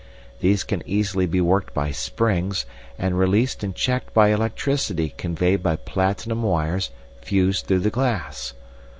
These can easily be worked by springs, and released and checked by electricity conveyed by platinum wires fused through the glass.